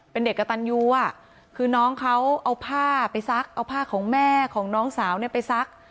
เป็นเด็กกระตันยูอ่ะคือน้องเขาเอาผ้าไปซักเอาผ้าของแม่ของน้องสาวเนี่ยไปซัก